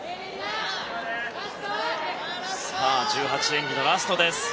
１８演技のラストです。